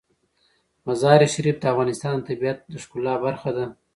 مزارشریف د افغانستان د طبیعت د ښکلا برخه ده.